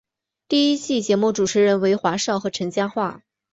第一季节目主持人为华少和陈嘉桦。